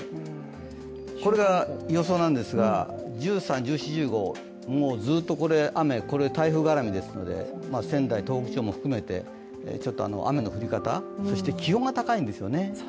これが予想なんですが１３、１４、１５、もうこれずっと雨、台風がらみですので仙台、東北地方も含めてちょっと雨の降り方、そして気温が高いんですよね。